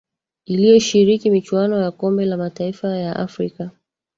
iliyoshiriki michuano ya kombe la mataifa ya afrika